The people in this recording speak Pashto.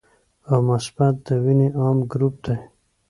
او مثبت د وینې عام ګروپ دی